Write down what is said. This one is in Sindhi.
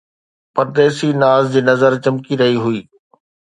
پرديسي ناز جي نظر چمڪي رهي هئي